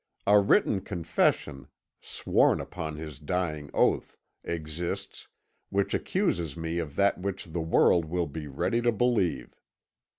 A written confession, sworn upon his dying oath, exists, which accuses me of that which the world will be ready to believe.